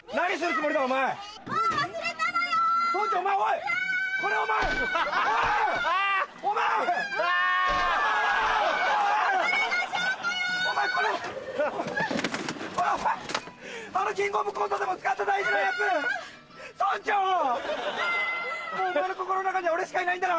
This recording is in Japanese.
もうお前の心の中には俺しかいないんだな！